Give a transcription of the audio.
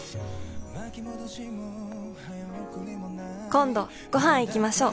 「今度ご飯いきましょう！」